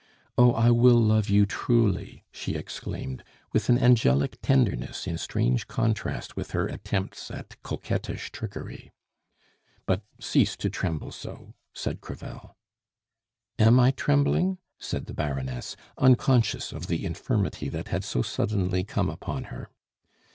Oh, I will love you truly," she exclaimed, with an angelic tenderness in strange contrast with her attempts at coquettish trickery. "But cease to tremble so," said Crevel. "Am I trembling?" said the Baroness, unconscious of the infirmity that had so suddenly come upon her.